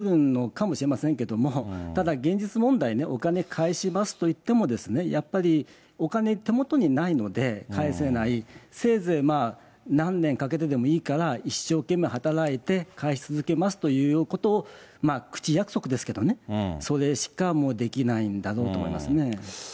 恐らく本人、この男性ですね、反省はしてるのかもしれませんけれども、ただ現実問題ね、お金返しますと言っても、やっぱりお金、手元にないので返せない、せいぜい、何年かけてでもいいから、一生懸命働いて、返し続けますということを、口約束ですけれどもね、それしかもうできないんだろうと思いますね。